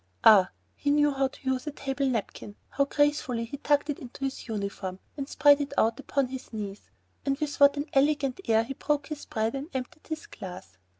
Ah! he knew how to use a table napkin! How gracefully he tucked it into his uniform, and spread it out upon his knees. And with what an elegant air he broke his bread and emptied his glass!